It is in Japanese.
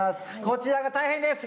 こちらが大変です。